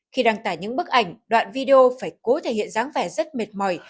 khi đăng tải những bức ảnh đoạn video phải cố thể hiện dáng vẻ rất mệt mỏi